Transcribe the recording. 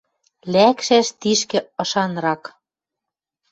Лӓкшӓш тишкӹ ышанрак.